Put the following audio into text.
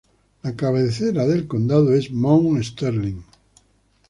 La cabecera del condado es Mount Sterling.